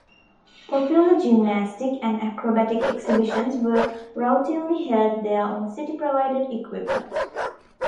Popular gymnastic and acrobatic exhibitions were routinely held there on city-provided equipment.